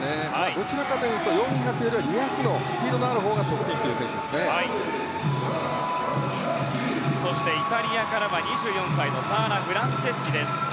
どちらかというと４００より２００のスピードのあるほうがそしてイタリアからは２４歳のサーラ・フランチェスキです。